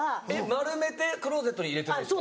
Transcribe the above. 丸めてクローゼットに入れてくんですか。